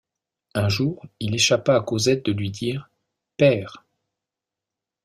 Un jour il échappa à Cosette de lui dire: Père.